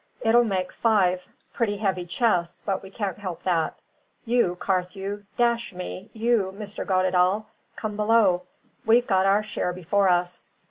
It'll make five pretty heavy chests, but we can't help that. You, Carthew dash me! You, Mr. Goddedaal, come below. We've our share before us."